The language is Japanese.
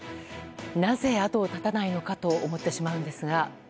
なぜ後を絶たないのかと思ってしまうんですが。